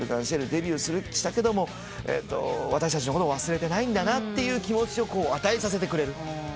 デビューしたけども私たちのこと忘れてないんだなって気持ちを与えさせてくれる。